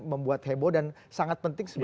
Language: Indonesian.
membuat heboh dan sangat penting